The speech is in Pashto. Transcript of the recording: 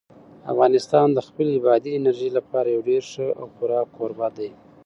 افغانستان د خپلې بادي انرژي لپاره یو ډېر ښه او پوره کوربه دی.